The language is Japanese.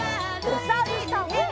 おさるさん。